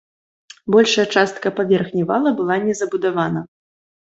Большая частка паверхні вала была не забудавана.